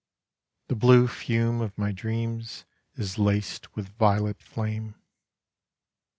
The blue fume of my dreams Is laced with violet flame.